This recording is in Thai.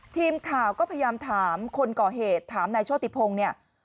ทีมข่าวก็พยายามถามคนก่อเหตุถามนายโชติพงศ์เนี่ย